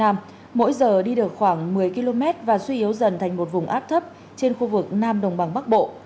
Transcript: mỗi giờ đi được khoảng một mươi km và suy yếu dần thành một vùng áp thấp trên khu vực nam đồng bằng bắc bộ